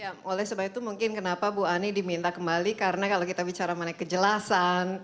ya oleh sebab itu mungkin kenapa bu ani diminta kembali karena kalau kita bicara mengenai kejelasan